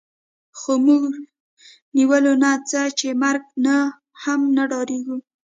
خو موږ نیولو نه څه چې مرګ نه هم نه ډارېږو